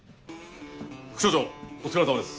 副署長お疲れさまです。